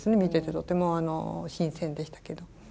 とても新鮮でしたけど。